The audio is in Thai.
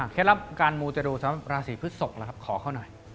แค่ละการบูชาดูราศีพฤศพละครับขอเข้าหน่อย